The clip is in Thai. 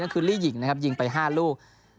ก็คือลี่หญิงนะครับยิงไป๕ลูก